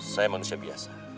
saya manusia biasa